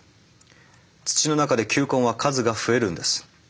土の中で球根は数が増えるんです。